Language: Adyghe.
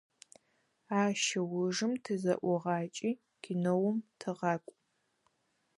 Ащ ыужым тызэӀугъакӀи, киноум тыгъакӀу.